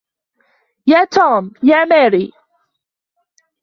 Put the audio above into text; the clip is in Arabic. يا توم! "يا ماري!"